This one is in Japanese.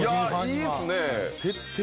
いいですね。